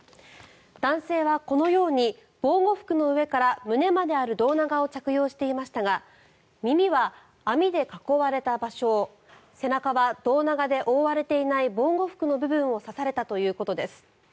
男性はこのように防護服の上から胸まである胴長を着用していましたが耳は網で囲われた場所背中は胴長で覆われていない防護服の部分を刺されたということです。